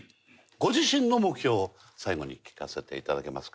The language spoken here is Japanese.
ご自身の目標を最後に聞かせて頂けますか？